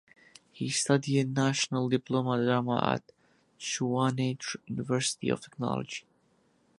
He studied National Diploma Drama at Tshwane University of Technology.